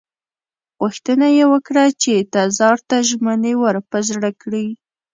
غوښتنه یې وکړه چې تزار ته ژمنې ور په زړه کړي.